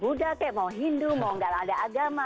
mau buddha mau hindu mau tidak ada agama